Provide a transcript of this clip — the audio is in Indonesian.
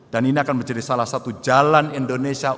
dan ini akan menjadi salah satu jalan indonesia